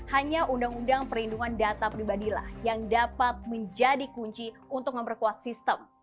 hanya undang undang perlindungan data pribadilah yang dapat menjadi kunci untuk memperkuat sistem